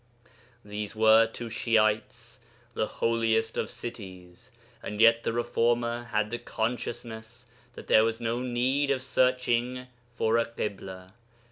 These were, to Shi'ites, the holiest of cities, and yet the reformer had the consciousness that there was no need of searching for a kibla.